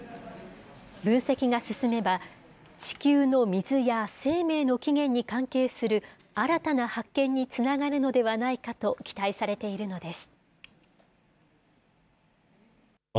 分析が進めば、地球の水や生命の起源に関係する、新たな発見につながるのではないかと期待されているのです。